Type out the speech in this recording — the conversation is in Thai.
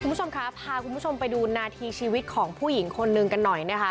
คุณผู้ชมคะพาคุณผู้ชมไปดูนาทีชีวิตของผู้หญิงคนหนึ่งกันหน่อยนะคะ